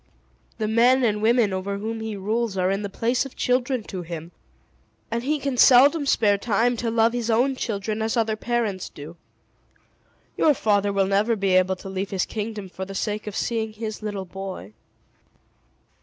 The men and women over whom he rules are in the place of children to him; and he can seldom spare time to love his own children as other parents do. Your father will never be able to leave his kingdom for the sake of seeing his little boy."